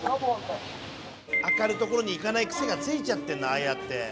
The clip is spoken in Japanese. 明るい所に行かない癖がついちゃってんのああやって。